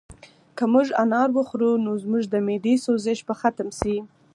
که موږ انار وخورو نو زموږ د معدې سوزش به ختم شي.